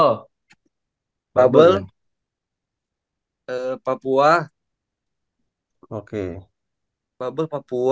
terus grup aja dulu lulus grup aja dulu ya ya tapi kita satu grup sama siapa aja itu ngedek